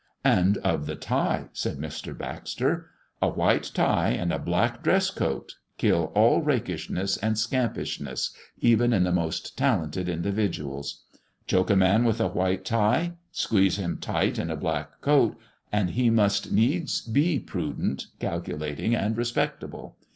"And of the tie," said Mr. Baxter. "A white tie, and a black dress coat, kill all rakishness and scampishness, even in the most talented individuals. Choke a man with a white tie, squeeze him tight in a black coat, and he must needs be prudent, calculating, and respectable.